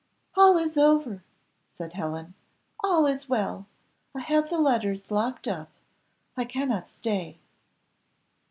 "All is over," said Helen, "all is well. I have the letters locked up; I cannot stay."